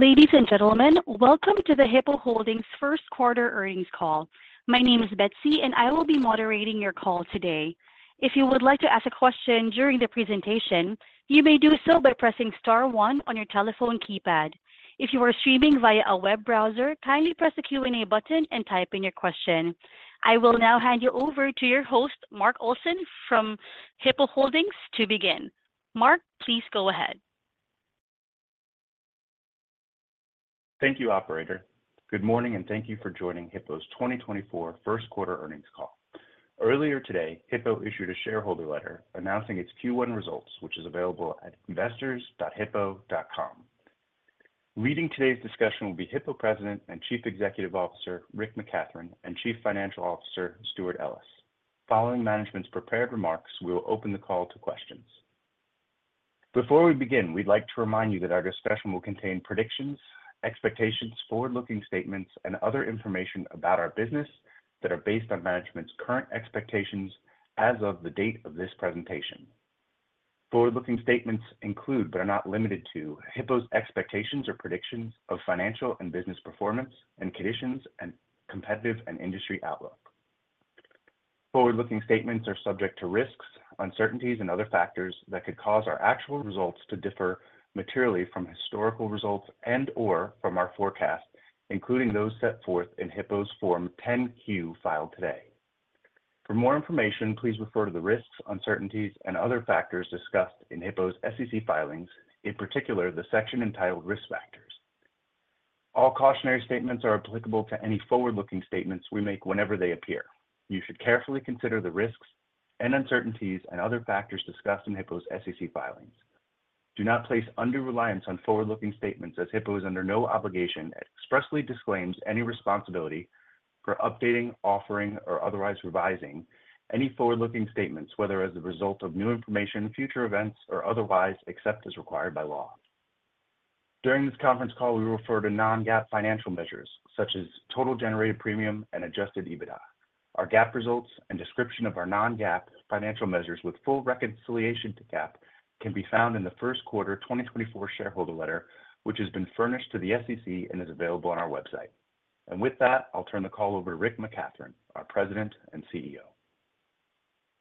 Ladies and gentlemen, welcome to the Hippo Holdings First Quarter Earnings Call. My name is Betsy, and I will be moderating your call today. If you would like to ask a question during the presentation, you may do so by pressing star one on your telephone keypad. If you are streaming via a web browser, kindly press the Q&A button and type in your question. I will now hand you over to your host, Mark Olson, from Hippo Holdings to begin. Mark, please go ahead. Thank you, operator. Good morning, and thank you for joining Hippo's 2024 first quarter earnings call. Earlier today, Hippo issued a shareholder letter announcing its Q1 results, which is available at investors.hippo.com. Leading today's discussion will be Hippo President and Chief Executive Officer, Rick McCathron, and Chief Financial Officer, Stewart Ellis. Following management's prepared remarks, we will open the call to questions. Before we begin, we'd like to remind you that our discussion will contain predictions, expectations, forward-looking statements, and other information about our business that are based on management's current expectations as of the date of this presentation. Forward-looking statements include, but are not limited to, Hippo's expectations or predictions of financial and business performance and conditions and competitive and industry outlook. Forward-looking statements are subject to risks, uncertainties, and other factors that could cause our actual results to differ materially from historical results and/or from our forecast, including those set forth in Hippo's Form 10-Q filed today. For more information, please refer to the risks, uncertainties, and other factors discussed in Hippo's SEC filings, in particular, the section entitled Risk Factors. All cautionary statements are applicable to any forward-looking statements we make whenever they appear. You should carefully consider the risks and uncertainties and other factors discussed in Hippo's SEC filings. Do not place undue reliance on forward-looking statements as Hippo is under no obligation, and expressly disclaims any responsibility for updating, offering, or otherwise revising any forward-looking statements, whether as a result of new information, future events, or otherwise, except as required by law. During this conference call, we refer to non-GAAP financial measures, such as total generated premium and Adjusted EBITDA. Our GAAP results and description of our non-GAAP financial measures with full reconciliation to GAAP can be found in the first quarter 2024 shareholder letter, which has been furnished to the SEC and is available on our website. With that, I'll turn the call over to Rick McCathron, our President and CEO.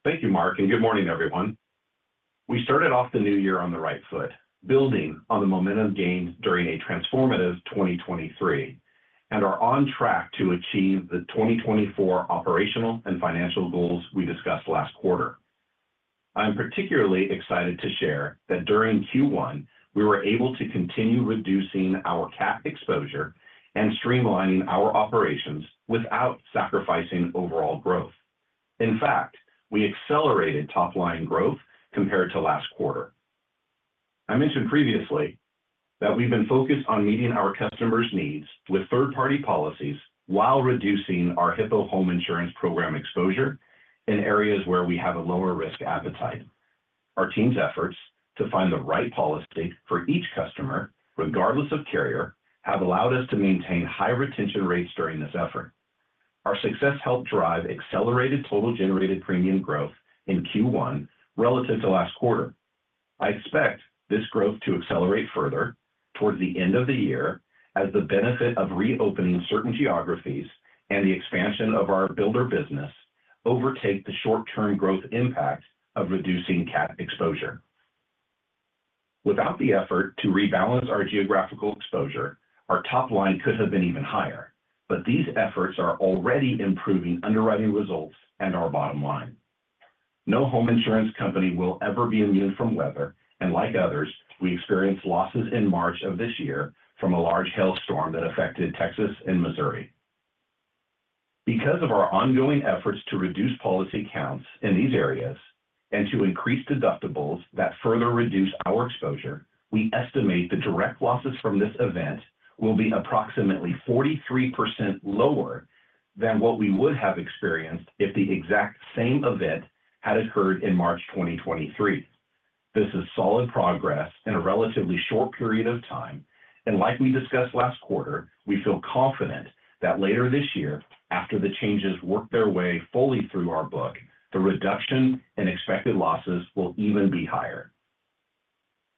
Thank you, Mark, and good morning, everyone. We started off the new year on the right foot, building on the momentum gained during a transformative 2023, and are on track to achieve the 2024 operational and financial goals we discussed last quarter. I'm particularly excited to share that during Q1, we were able to continue reducing our CAT exposure and streamlining our operations without sacrificing overall growth. In fact, we accelerated top-line growth compared to last quarter. I mentioned previously that we've been focused on meeting our customers' needs with third-party policies while reducing our Hippo Home Insurance Program exposure in areas where we have a lower risk appetite. Our team's efforts to find the right policy for each customer, regardless of carrier, have allowed us to maintain high retention rates during this effort. Our success helped drive accelerated total generated premium growth in Q1 relative to last quarter. I expect this growth to accelerate further towards the end of the year as the benefit of reopening certain geographies and the expansion of our builder business overtake the short-term growth impact of reducing CAT exposure. Without the effort to rebalance our geographical exposure, our top line could have been even higher, but these efforts are already improving underwriting results and our bottom line. No home insurance company will ever be immune from weather, and like others, we experienced losses in March of this year from a large hail storm that affected Texas and Missouri. Because of our ongoing efforts to reduce policy counts in these areas and to increase deductibles that further reduce our exposure, we estimate the direct losses from this event will be approximately 43% lower than what we would have experienced if the exact same event had occurred in March 2023. This is solid progress in a relatively short period of time, and like we discussed last quarter, we feel confident that later this year, after the changes work their way fully through our book, the reduction in expected losses will even be higher.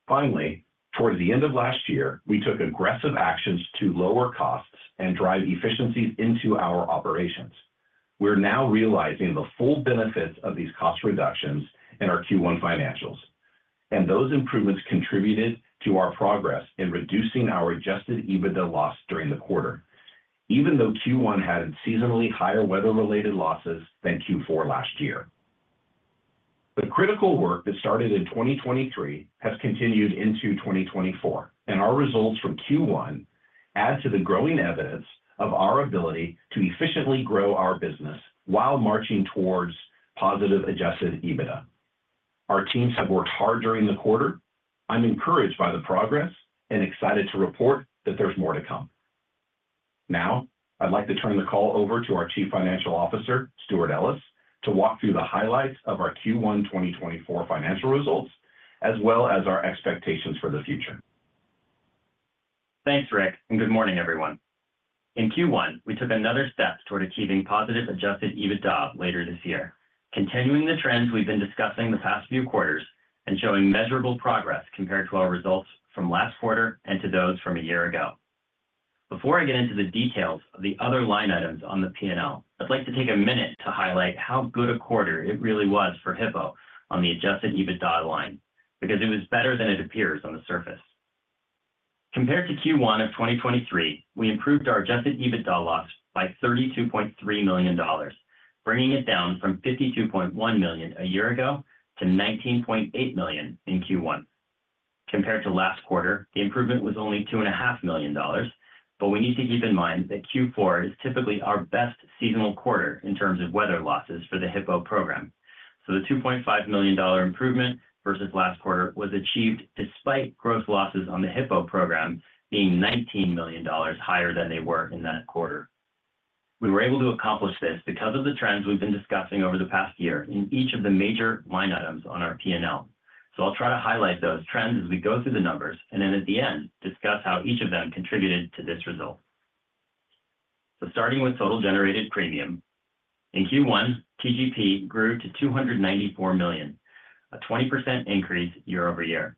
Finally, towards the end of last year, we took aggressive actions to lower costs and drive efficiencies into our operations. We're now realizing the full benefits of these cost reductions in our Q1 financials, and those improvements contributed to our progress in reducing our Adjusted EBITDA loss during the quarter, even though Q1 had seasonally higher weather-related losses than Q4 last year. The critical work that started in 2023 has continued into 2024, and our results from Q1 add to the growing evidence of our ability to efficiently grow our business while marching towards positive Adjusted EBITDA. Our teams have worked hard during the quarter. I'm encouraged by the progress and excited to report that there's more to come. Now, I'd like to turn the call over to our Chief Financial Officer, Stewart Ellis, to walk through the highlights of our Q1 2024 financial results, as well as our expectations for the future. Thanks, Rick, and good morning, everyone.... In Q1, we took another step toward achieving positive Adjusted EBITDA later this year, continuing the trends we've been discussing the past few quarters and showing measurable progress compared to our results from last quarter and to those from a year ago. Before I get into the details of the other line items on the P&L, I'd like to take a minute to highlight how good a quarter it really was for Hippo on the Adjusted EBITDA line, because it was better than it appears on the surface. Compared to Q1 of 2023, we improved our Adjusted EBITDA loss by $32.3 million, bringing it down from $52.1 million a year ago to $19.8 million in Q1. Compared to last quarter, the improvement was only $2.5 million, but we need to keep in mind that Q4 is typically our best seasonal quarter in terms of weather losses for the Hippo program. So the $2.5 million improvement versus last quarter was achieved despite gross losses on the Hippo program being $19 million higher than they were in that quarter. We were able to accomplish this because of the trends we've been discussing over the past year in each of the major line items on our P&L. So I'll try to highlight those trends as we go through the numbers, and then at the end, discuss how each of them contributed to this result. So starting with total generated premium. In Q1, TGP grew to $294 million, a 20% increase year-over-year.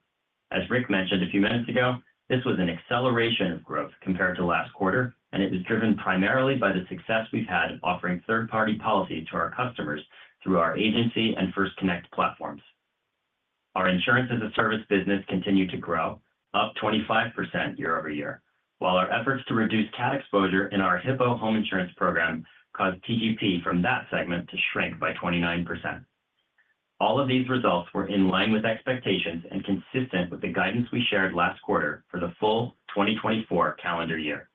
As Rick mentioned a few minutes ago, this was an acceleration of growth compared to last quarter, and it was driven primarily by the success we've had offering third-party policy to our customers through our agency and First Connect platforms. Our Insurance-as-a-Service business continued to grow, up 25% year over year, while our efforts to reduce cat exposure in our Hippo Home Insurance Program caused TGP from that segment to shrink by 29%. All of these results were in line with expectations and consistent with the guidance we shared last quarter for the full 2024 calendar year.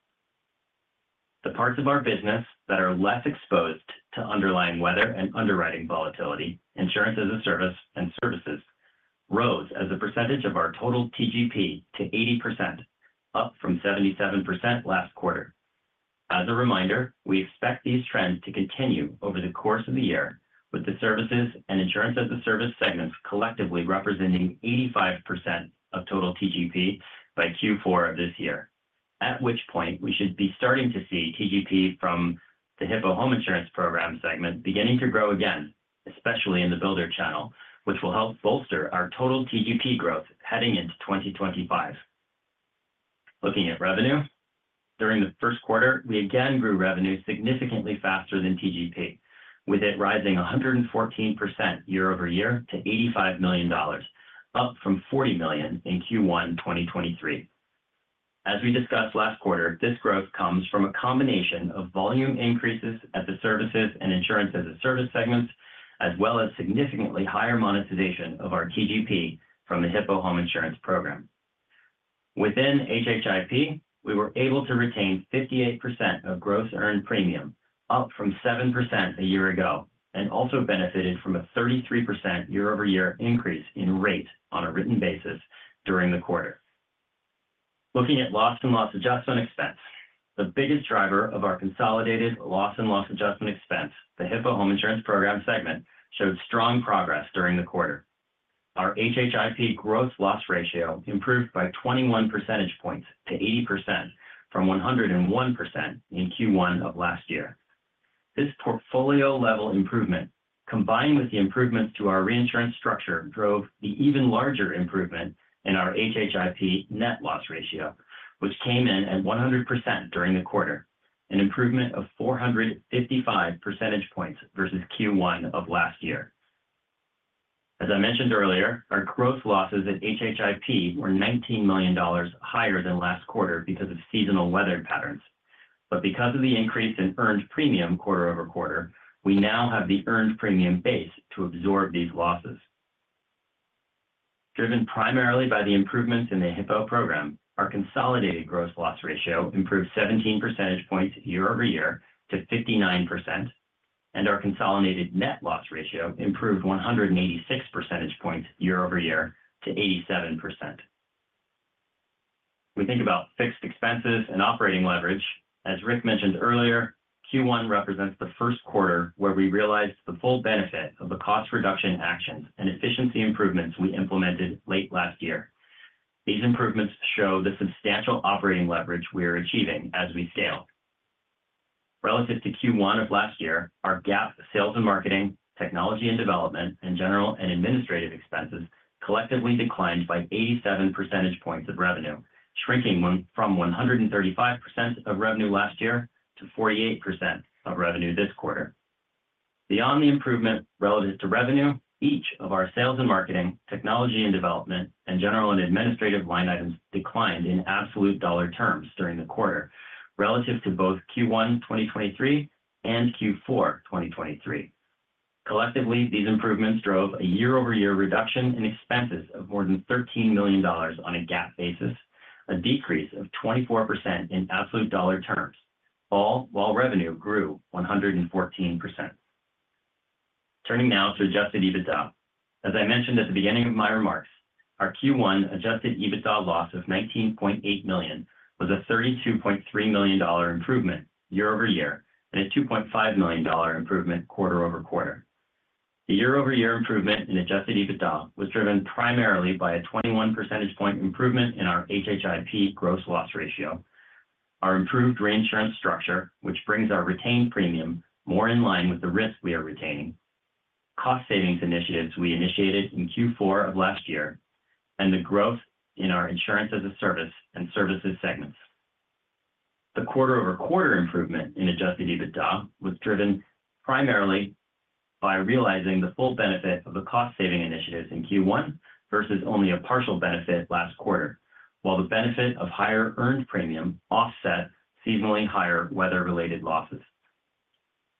The parts of our business that are less exposed to underlying weather and underwriting volatility, Insurance-as-a-Service and services, rose as a percentage of our total TGP to 80%, up from 77% last quarter. As a reminder, we expect these trends to continue over the course of the year, with the Services and Insurance-as-a-Service segments collectively representing 85% of total TGP by Q4 of this year, at which point we should be starting to see TGP from the Hippo Home Insurance Program segment beginning to grow again, especially in the builder channel, which will help bolster our total TGP growth heading into 2025. Looking at revenue, during the first quarter, we again grew revenue significantly faster than TGP, with it rising 114% year-over-year to $85 million, up from $40 million in Q1 2023. As we discussed last quarter, this growth comes from a combination of volume increases at the Services and Insurance-as-a-Service segments, as well as significantly higher monetization of our TGP from the Hippo Home Insurance Program. Within HHIP, we were able to retain 58% of gross earned premium, up from 7% a year ago, and also benefited from a 33% year-over-year increase in rate on a written basis during the quarter. Looking at loss and loss adjustment expense, the biggest driver of our consolidated loss and loss adjustment expense, the Hippo Home Insurance Program segment, showed strong progress during the quarter. Our HHIP gross loss ratio improved by 21 percentage points to 80% from 101% in Q1 of last year. This portfolio-level improvement, combined with the improvements to our reinsurance structure, drove the even larger improvement in our HHIP net loss ratio, which came in at 100% during the quarter, an improvement of 455 percentage points versus Q1 of last year. As I mentioned earlier, our gross losses at HHIP were $19 million higher than last quarter because of seasonal weather patterns. But because of the increase in earned premium quarter-over-quarter, we now have the earned premium base to absorb these losses. Driven primarily by the improvements in the Hippo program, our consolidated gross loss ratio improved 17 percentage points year-over-year to 59%, and our consolidated net loss ratio improved 186 percentage points year-over-year to 87%. We think about fixed expenses and operating leverage. As Rick mentioned earlier, Q1 represents the first quarter where we realized the full benefit of the cost reduction actions and efficiency improvements we implemented late last year. These improvements show the substantial operating leverage we are achieving as we scale. Relative to Q1 of last year, our GAAP sales and marketing, technology and development, and general and administrative expenses collectively declined by 87 percentage points of revenue, shrinking from 135% of revenue last year to 48% of revenue this quarter. Beyond the improvement relative to revenue, each of our sales and marketing, technology and development, and general and administrative line items declined in absolute dollar terms during the quarter relative to both Q1 2023 and Q4 2023. Collectively, these improvements drove a year-over-year reduction in expenses of more than $13 million on a GAAP basis, a decrease of 24% in absolute dollar terms, all while revenue grew 114%. Turning now to Adjusted EBITDA. As I mentioned at the beginning of my remarks, our Q1 Adjusted EBITDA loss of $19.8 million was a $32.3 million improvement year-over-year and a $2.5 million improvement quarter-over-quarter. The year-over-year improvement in Adjusted EBITDA was driven primarily by a 21 percentage point improvement in our HHIP gross loss ratio. Our improved reinsurance structure, which brings our retained premium more in line with the risk we are retaining, cost savings initiatives we initiated in Q4 of last year, and the growth in our Insurance-as-a-Service and services segments. The quarter-over-quarter improvement in Adjusted EBITDA was driven primarily by realizing the full benefit of the cost-saving initiatives in Q1 versus only a partial benefit last quarter, while the benefit of higher earned premium offset seasonally higher weather-related losses.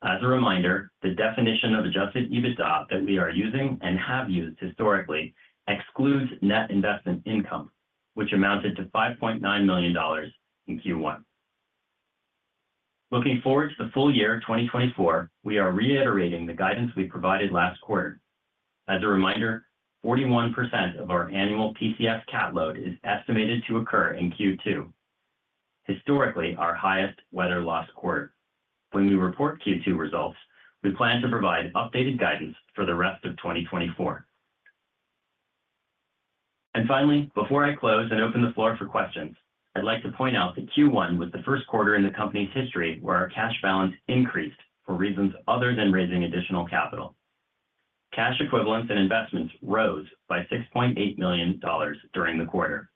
As a reminder, the definition of Adjusted EBITDA that we are using and have used historically excludes net investment income, which amounted to $5.9 million in Q1. Looking forward to the full year of 2024, we are reiterating the guidance we provided last quarter. As a reminder, 41% of our annual PCS cat load is estimated to occur in Q2, historically, our highest weather loss quarter. When we report Q2 results, we plan to provide updated guidance for the rest of 2024. And finally, before I close and open the floor for questions, I'd like to point out that Q1 was the first quarter in the company's history where our cash balance increased for reasons other than raising additional capital. Cash equivalents and investments rose by $6.8 million during the quarter.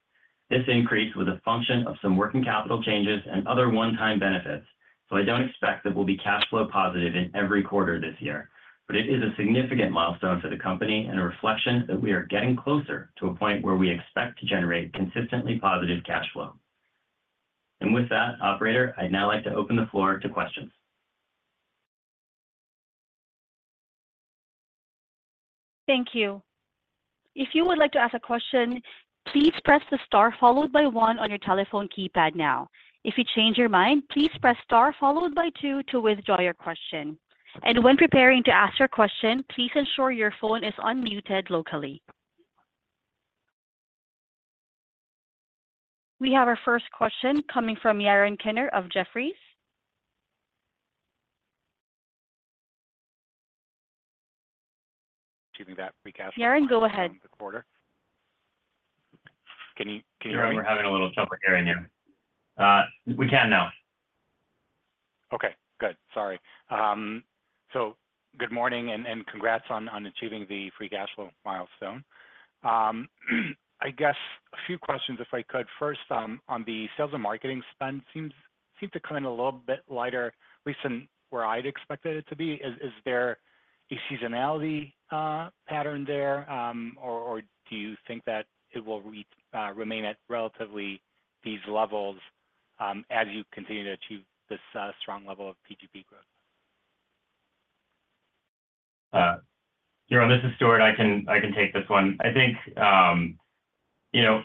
This increase was a function of some working capital changes and other one-time benefits, so I don't expect that we'll be cash flow positive in every quarter this year. But it is a significant milestone for the company and a reflection that we are getting closer to a point where we expect to generate consistently positive cash flow. And with that, operator, I'd now like to open the floor to questions. Thank you. If you would like to ask a question, please press the star followed by one on your telephone keypad now. If you change your mind, please press star followed by two to withdraw your question. When preparing to ask your question, please ensure your phone is unmuted locally. We have our first question coming from Yaron Kinar of Jefferies. Yaron, go ahead. Can you hear me? Yaron, we're having a little trouble hearing you. We can now. Okay, good. Sorry. So good morning, and, and congrats on, on achieving the free cash flow milestone. I guess a few questions, if I could. First, on the sales and marketing spend, seems, seemed to come in a little bit lighter recent than where I'd expected it to be. Is, is there a seasonality, pattern there, or, or do you think that it will re, remain at relatively these levels, as you continue to achieve this, strong level of TGP growth? Yaron, this is Stewart. I can take this one. I think, you know,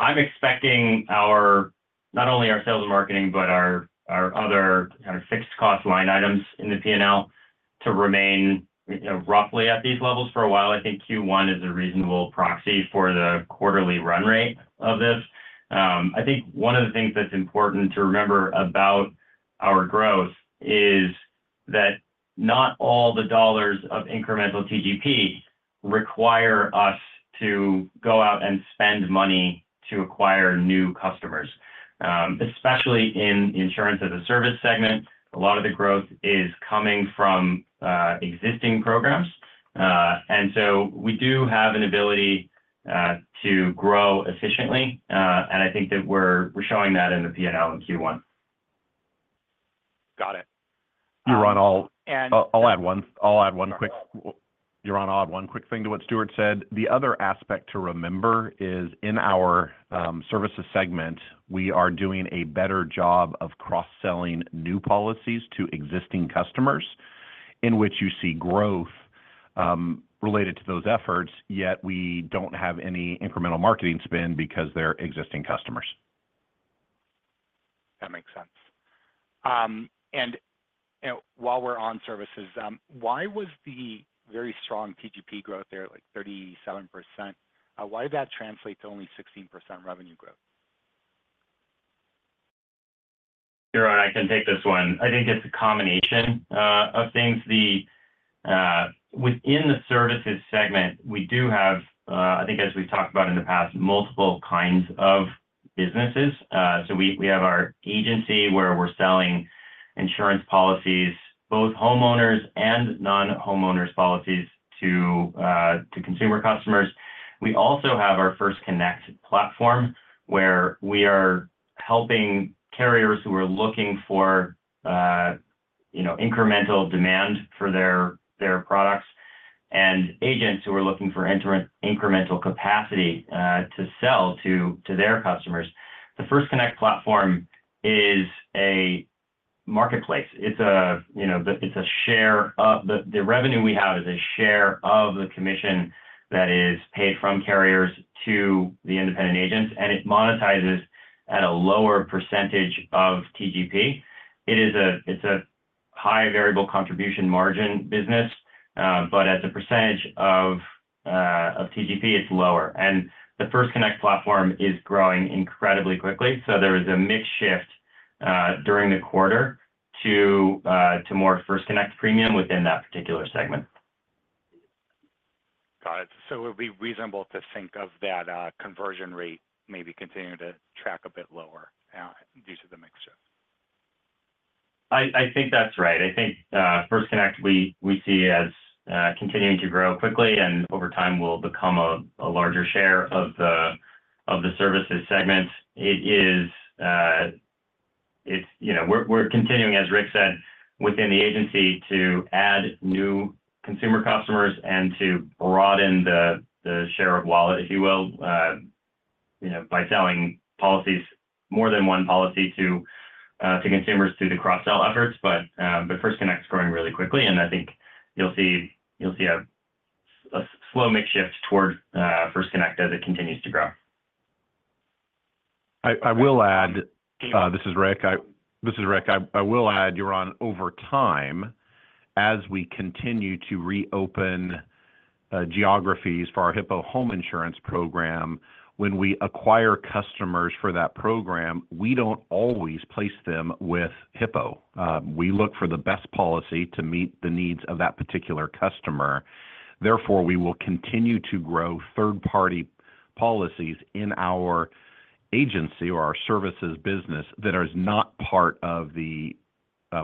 I'm expecting our—not only our sales and marketing, but our other kind of fixed cost line items in the P&L to remain, you know, roughly at these levels for a while. I think Q1 is a reasonable proxy for the quarterly run rate of this. I think one of the things that's important to remember about our growth is that not all the dollars of incremental TGP require us to go out and spend money to acquire new customers. Especially in the Insurance-as-a-Service segment, a lot of the growth is coming from existing programs. And so we do have an ability to grow efficiently, and I think that we're showing that in the P&L in Q1. Got it. Yaron, I'll- And- Yaron, I'll add one quick thing to what Stewart said. The other aspect to remember is in our services segment, we are doing a better job of cross-selling new policies to existing customers, in which you see growth related to those efforts, yet we don't have any incremental marketing spend because they're existing customers. That makes sense. And, you know, while we're on services, why was the very strong TGP growth there, like 37%, why did that translate to only 16% revenue growth? Yaron, I can take this one. I think it's a combination of things. Within the services segment, we do have, I think as we've talked about in the past, multiple kinds of businesses. So we have our agency, where we're selling insurance policies, both homeowners and non-homeowners policies to consumer customers. We also have our First Connect platform, where we are helping carriers who are looking for, you know, incremental demand for their products, and agents who are looking for incremental capacity to sell to their customers. The First Connect platform is a marketplace. It's a, you know, the, it's a share of the revenue we have is a share of the commission that is paid from carriers to the independent agents, and it monetizes at a lower percentage of TGP. It's a high variable contribution margin business, but as a percentage of TGP, it's lower. And the First Connect platform is growing incredibly quickly, so there is a mix shift during the quarter to more First Connect premium within that particular segment. Got it. So it would be reasonable to think of that, conversion rate maybe continuing to track a bit lower, due to the mixture? I think that's right. I think First Connect, we see as continuing to grow quickly, and over time will become a larger share of the services segment. It is, it's, you know, we're continuing, as Rick said, within the agency, to add new consumer customers and to broaden the share of wallet, if you will, you know, by selling policies, more than one policy to consumers through the cross-sell efforts. But First Connect's growing really quickly, and I think you'll see a slow mix shift towards First Connect as it continues to grow. This is Rick. I will add, Yaron, over time, as we continue to reopen geographies for our Hippo Home Insurance Program, when we acquire customers for that program, we don't always place them with Hippo. We look for the best policy to meet the needs of that particular customer. Therefore, we will continue to grow third-party policies in our agency or our services business that are not part of the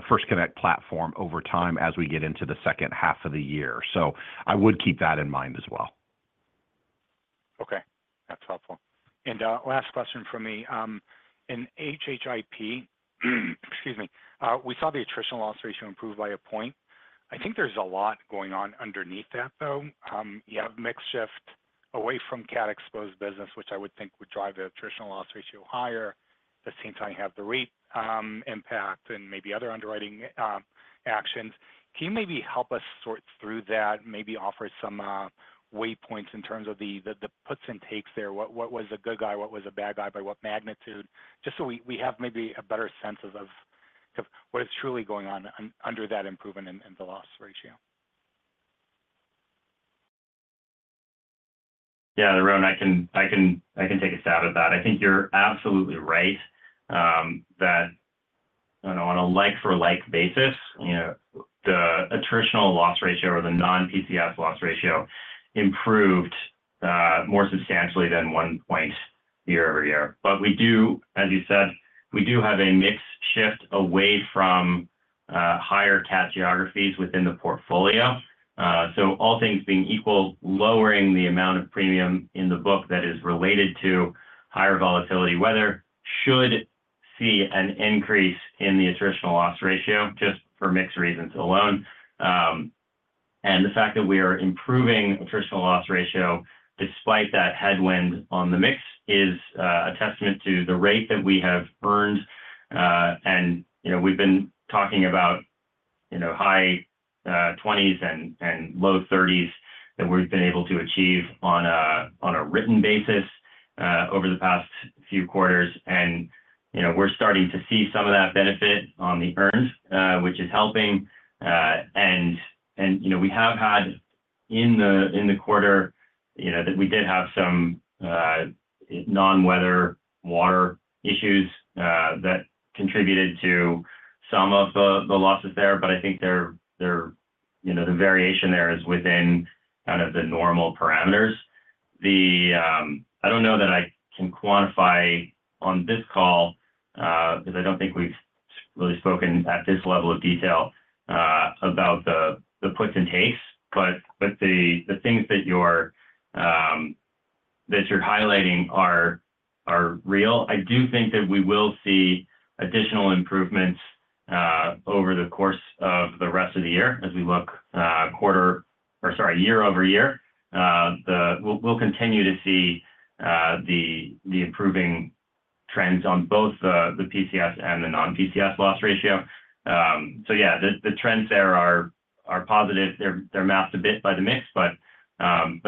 First Connect platform over time as we get into the second half of the year. So I would keep that in mind as well. Okay, that's helpful. Last question from me. In HHIP, excuse me, we saw the attritional loss ratio improve by a point. I think there's a lot going on underneath that, though. You have mix shift away from cat-exposed business, which I would think would drive the attritional loss ratio higher. At the same time, you have the rate impact and maybe other underwriting actions. Can you maybe help us sort through that, maybe offer some weight points in terms of the puts and takes there? What was a good guy, what was a bad guy, by what magnitude? Just so we have maybe a better sense of what is truly going on under that improvement in the loss ratio. Yeah, Ron, I can take a stab at that. I think you're absolutely right, that, you know, on a like for like basis, you know, the attritional loss ratio or the non-PCS loss ratio improved more substantially than 1 point year-over-year. But we do, as you said, we do have a mix shift away from higher cat geographies within the portfolio. So all things being equal, lowering the amount of premium in the book that is related to higher volatility weather should see an increase in the attritional loss ratio, just for mix reasons alone. And the fact that we are improving attritional loss ratio despite that headwind on the mix is a testament to the rate that we have earned. And, you know, we've been talking about, you know, high twenties and low thirties that we've been able to achieve on a written basis over the past few quarters. And, you know, we're starting to see some of that benefit on the earned, which is helping. And, you know, we have had in the quarter, you know, that we did have some non-weather water issues that contributed to some of the losses there, but I think they're, you know, the variation there is within kind of the normal parameters. The... I don't know that I can quantify on this call, because I don't think we've really spoken at this level of detail about the puts and takes, but the things that you're that you're highlighting are real. I do think that we will see additional improvements over the course of the rest of the year as we look year over year. We'll continue to see the improving trends on both the PCS and the non-PCS loss ratio. So yeah, the trends there are positive. They're masked a bit by the mix, but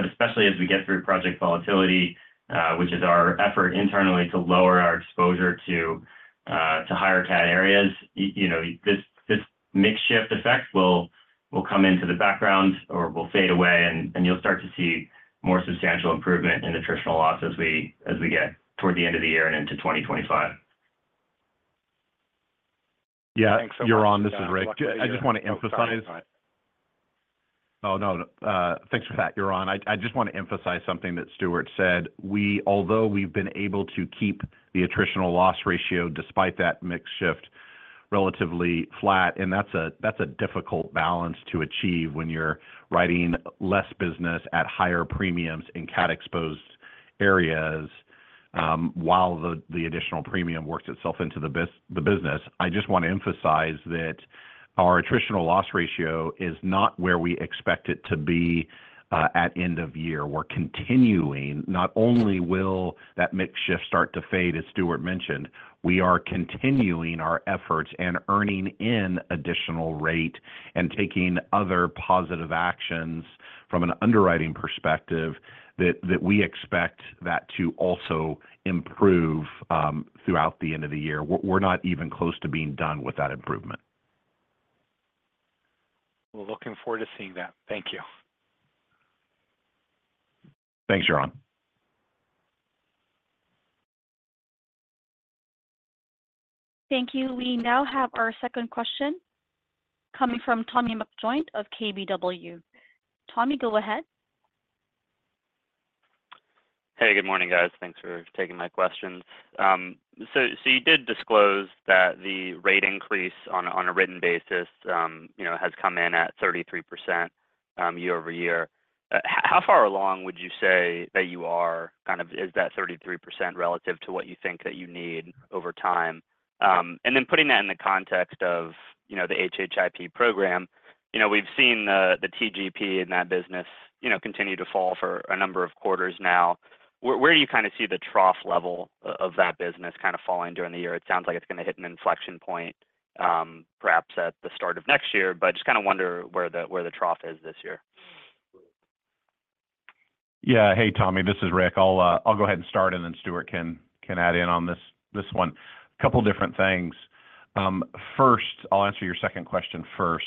especially as we get through Project Volatility, which is our effort internally to lower our exposure to higher cat areas, you know, this mix shift effect will come into the background or will fade away, and you'll start to see more substantial improvement in attritional loss as we get toward the end of the year and into 2025. Yeah, Yaron, this is Rick. I just want to emphasize— Oh, no, no. Thanks for that, Yaron. I just want to emphasize something that Stewart said. We— Although we've been able to keep the attritional loss ratio, despite that mix shift, relatively flat, and that's a difficult balance to achieve when you're writing less business at higher premiums in cat-exposed areas, while the additional premium works itself into the business. I just want to emphasize that our attritional loss ratio is not where we expect it to be at end of year. We're continuing... Not only will that mix shift start to fade, as Stewart mentioned, we are continuing our efforts and earning in additional rate and taking other positive actions from an underwriting perspective that we expect that to also improve throughout the end of the year. We're not even close to being done with that improvement. We're looking forward to seeing that. Thank you.... Thanks, Yaron. Thank you. We now have our second question coming from Tommy McJoynt of KBW. Tommy, go ahead. Hey, good morning, guys. Thanks for taking my questions. So you did disclose that the rate increase on a written basis, you know, has come in at 33%, year-over-year. How far along would you say that you are? Kind of, is that 33% relative to what you think that you need over time? And then putting that in the context of, you know, the HHIP program, you know, we've seen the TGP in that business, you know, continue to fall for a number of quarters now. Where do you kind of see the trough level of that business kind of falling during the year? It sounds like it's going to hit an inflection point, perhaps at the start of next year, but just kind of wonder where the trough is this year. Yeah. Hey, Tommy, this is Rick. I'll go ahead and start, and then Stewart can add in on this one. A couple different things. First, I'll answer your second question first.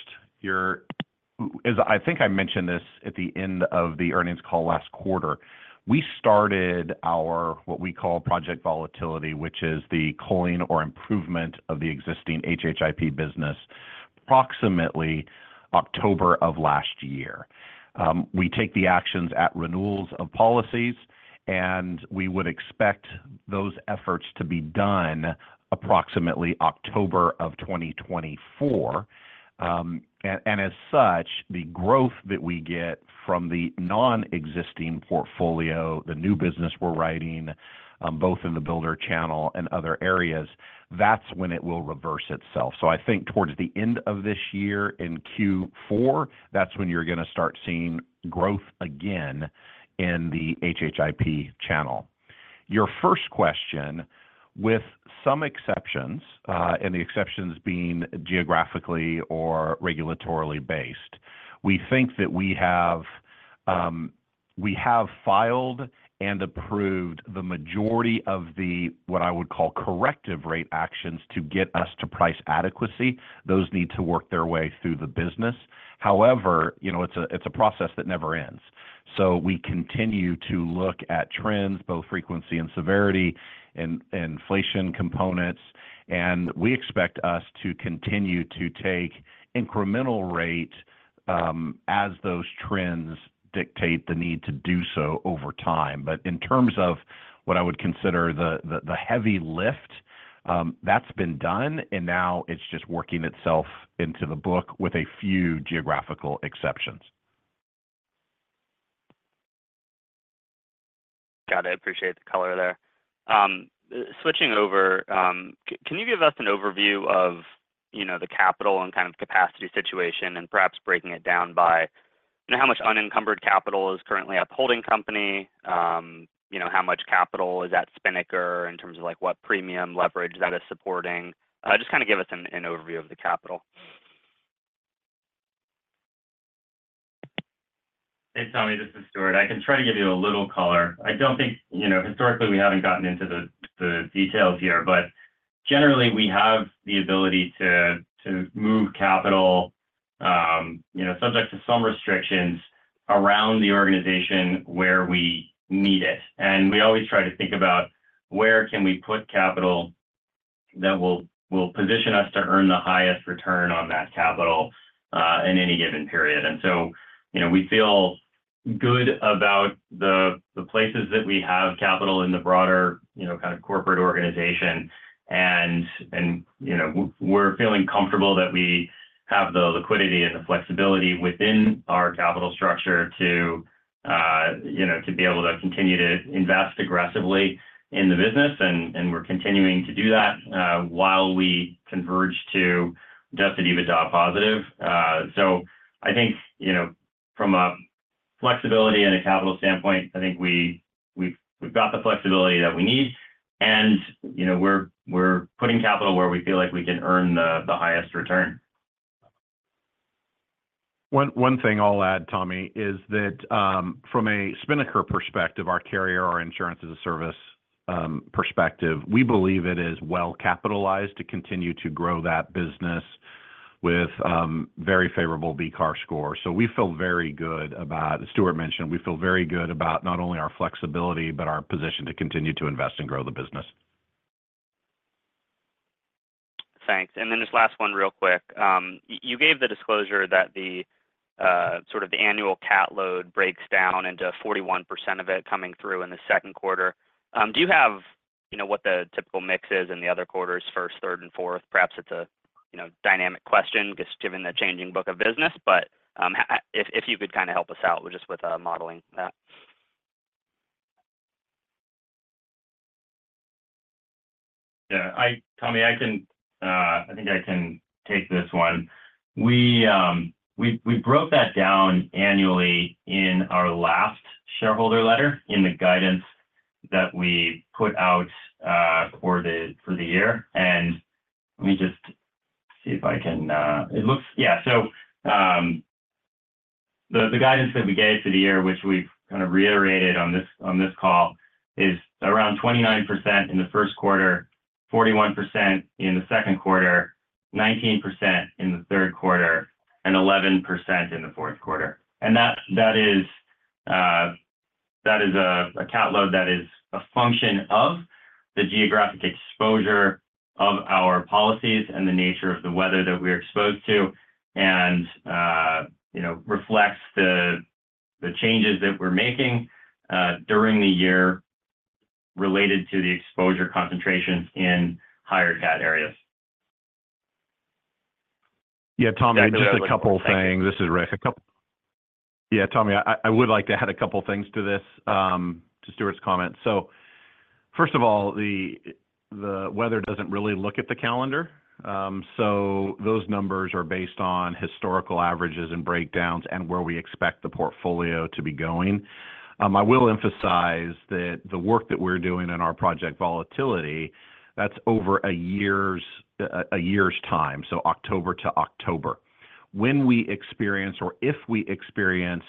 As I think I mentioned this at the end of the earnings call last quarter, we started our, what we call Project Volatility, which is the culling or improvement of the existing HHIP business, approximately October of last year. We take the actions at renewals of policies, and we would expect those efforts to be done approximately October of 2024. And as such, the growth that we get from the non-existing portfolio, the new business we're writing, both in the builder channel and other areas, that's when it will reverse itself. So I think towards the end of this year, in Q4, that's when you're going to start seeing growth again in the HHIP channel. Your first question, with some exceptions, and the exceptions being geographically or regulatorily based, we think that we have, we have filed and approved the majority of the, what I would call, corrective rate actions to get us to price adequacy. Those need to work their way through the business. However, you know, it's a, it's a process that never ends. So we continue to look at trends, both frequency and severity, and inflation components, and we expect us to continue to take incremental rate, as those trends dictate the need to do so over time. But in terms of what I would consider the heavy lift, that's been done, and now it's just working itself into the book with a few geographical exceptions. Got it. I appreciate the color there. Switching over, can you give us an overview of, you know, the capital and kind of capacity situation, and perhaps breaking it down by, you know, how much unencumbered capital is currently at the holding company? You know, how much capital is at Spinnaker in terms of, like, what premium leverage that is supporting? Just kind of give us an overview of the capital. Hey, Tommy, this is Stewart. I can try to give you a little color. I don't think, you know, historically, we haven't gotten into the details here, but generally, we have the ability to move capital, you know, subject to some restrictions around the organization where we need it. And we always try to think about where can we put capital that will position us to earn the highest return on that capital in any given period. And so, you know, we feel good about the places that we have capital in the broader, you know, kind of corporate organization. You know, we're feeling comfortable that we have the liquidity and the flexibility within our capital structure to, you know, to be able to continue to invest aggressively in the business, and we're continuing to do that while we converge to Adjusted EBITDA positive. So I think, you know, from a flexibility and a capital standpoint, I think we've got the flexibility that we need, and, you know, we're putting capital where we feel like we can earn the highest return. One thing I'll add, Tommy, is that, from a Spinnaker perspective, our carrier, our Insurance-as-a-Service, perspective, we believe it is well-capitalized to continue to grow that business with, very favorable BCAR score. So we feel very good about... Stewart mentioned, we feel very good about not only our flexibility, but our position to continue to invest and grow the business. Thanks. And then this last one real quick. You gave the disclosure that the sort of the annual cat load breaks down into 41% of it coming through in the second quarter. Do you have, you know, what the typical mix is in the other quarters, first, third, and fourth? Perhaps it's a you know dynamic question given the changing book of business, but if, if you could kind of help us out just with modeling that. Yeah, Tommy, I think I can take this one. We broke that down annually in our last shareholder letter, in the guidance that we put out for the year. And let me just see if I can... Yeah, so, the guidance that we gave for the year, which we've kind of reiterated on this call, is around 29% in the first quarter... 41% in the second quarter, 19% in the third quarter, and 11% in the fourth quarter. That is a cat load that is a function of the geographic exposure of our policies and the nature of the weather that we're exposed to, and you know reflects the changes that we're making during the year related to the exposure concentrations in higher cat areas. Yeah, Tommy, just a couple things. This is Rick. Yeah, Tommy, I would like to add a couple things to this, to Stewart's comment. So first of all, the weather doesn't really look at the calendar. So those numbers are based on historical averages and breakdowns and where we expect the portfolio to be going. I will emphasize that the work that we're doing in our Project Volatility, that's over a year's time, so October to October. When we experience or if we experience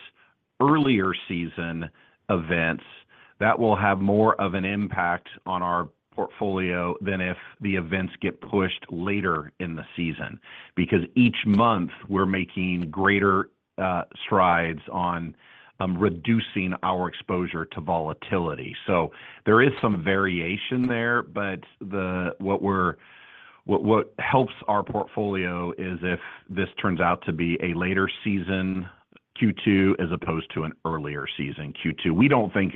earlier season events, that will have more of an impact on our portfolio than if the events get pushed later in the season. Because each month, we're making greater strides on reducing our exposure to volatility. So there is some variation there, but the... What helps our portfolio is if this turns out to be a later season Q2, as opposed to an earlier season Q2. We don't think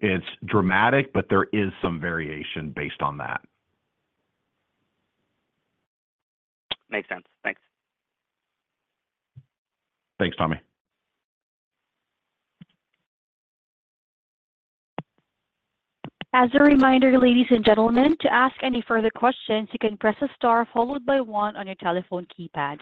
it's dramatic, but there is some variation based on that. Makes sense. Thanks. Thanks, Tommy. As a reminder, ladies and gentlemen, to ask any further questions, you can press a star followed by one on your telephone keypad.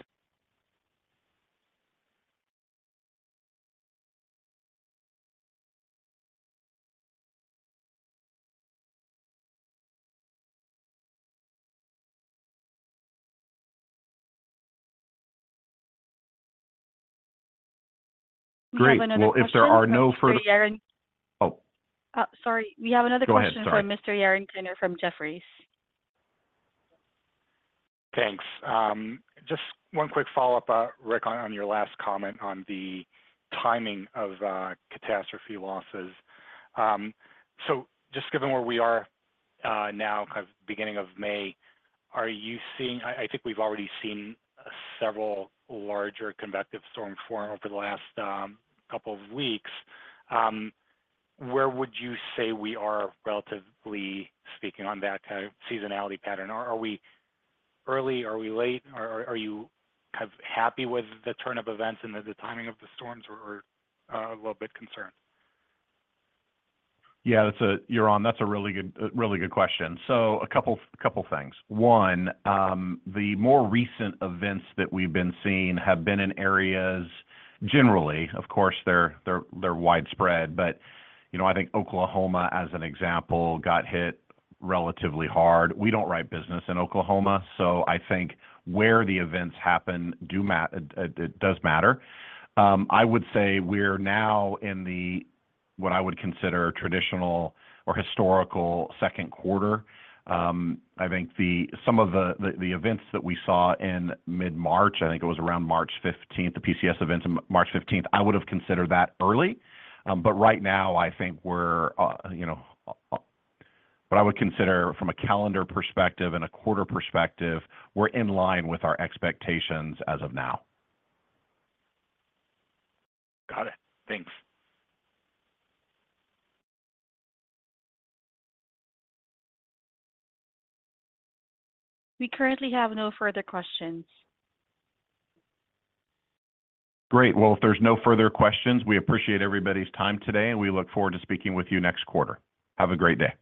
Great! Well, if there are no further- We have another question- Oh. Sorry, we have another question- Go ahead, sorry.... from Mr. Yaron Kinar from Jefferies. Thanks. Just one quick follow-up, Rick, on your last comment on the timing of catastrophe losses. So just given where we are now, kind of beginning of May, are you seeing... I think we've already seen several larger convective storm form over the last couple of weeks. Where would you say we are relatively speaking on that kind of seasonality pattern? Are we early? Are we late? Or are you kind of happy with the turn of events and the timing of the storms, or a little bit concerned? Yeah, Yaron, that's a really good question. So a couple things. One, the more recent events that we've been seeing have been in areas generally, of course, they're widespread, but, you know, I think Oklahoma, as an example, got hit relatively hard. We don't write business in Oklahoma, so I think where the events happen, it does matter. I would say we're now in the, what I would consider traditional or historical second quarter. I think some of the events that we saw in mid-March, I think it was around March fifteenth, the PCS events in March fifteenth, I would have considered that early. But right now, I think we're, you know, what I would consider from a calendar perspective and a quarter perspective, we're in line with our expectations as of now. Got it. Thanks. We currently have no further questions. Great. Well, if there's no further questions, we appreciate everybody's time today, and we look forward to speaking with you next quarter. Have a great day.